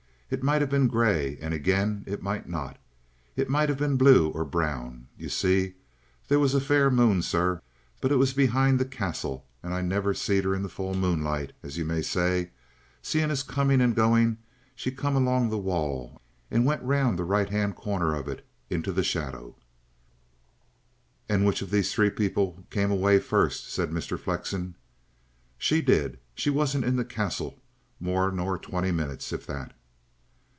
It might have been grey and again it might not. It might have been blue or brown. You see, there was a fair moon, sir, but it was be'ind the Castle, an' I never seed 'er in the full moonlight, as you may say, seeing as, coming and going, she come along the wall and went round the right 'and corner of it, in the shadder." "And which of these three people came away first?" said Mr. Flexen. "She did. She wasn't in the Castle more nor twenty minutes if that."